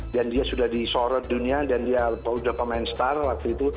dan dia sudah disorot dunia dan dia sudah pemain star waktu itu